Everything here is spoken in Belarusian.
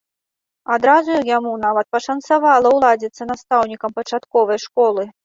Адразу яму нават пашанцавала ўладзіцца настаўнікам пачатковай школы.